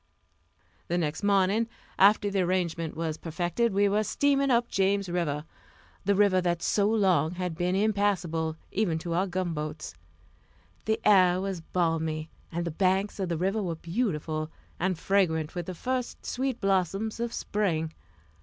The next morning, after the arrangement was perfected, we were steaming up James River the river that so long had been impassable, even to our gunboats. The air was balmy, and the banks of the river were beautiful, and fragrant with the first sweet blossoms of spring.